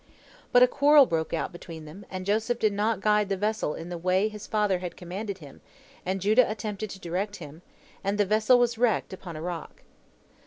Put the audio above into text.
But a quarrel broke out between them, and Joseph did not guide the vessel in the way his father had commanded him, and Judah attempted to direct him, and the vessel was wrecked upon a rock.